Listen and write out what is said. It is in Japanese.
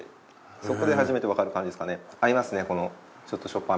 そこで初めてわかる感じですかね。